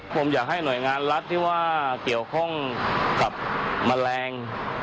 ผมอยากให้หน่วยงานรัฐที่ว่าเกี่ยวข้องกับแมลง